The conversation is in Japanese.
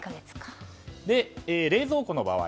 冷蔵庫の場合。